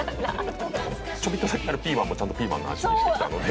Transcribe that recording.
ちょびっとだけピーマンもちゃんとピーマンの味にしてきたので。